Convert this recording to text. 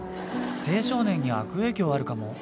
青少年に悪影響あるかも。